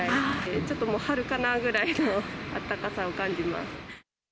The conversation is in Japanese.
ちょっともう春かなぐらいのあったかさを感じます。